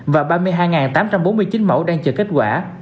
và ba mươi hai tám trăm bốn mươi chín mẫu đang chờ kết quả